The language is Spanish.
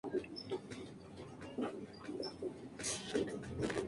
Es originaria de Yemen donde se encuentra en la Isla de Socotora.